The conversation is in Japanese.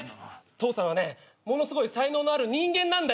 父さんはねものすごい才能のある人間なんだ。